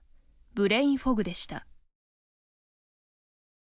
ブレインフォグでした。